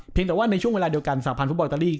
เพียงแต่ว่าในช่วงเวลาเดียวกันสถานฟุตบอลตาลี